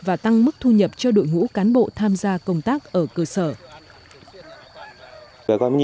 và tăng mức thu nhập cho đội ngũ cán bộ tham gia công tác ở cơ sở